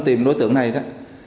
tìm đối tượng này đó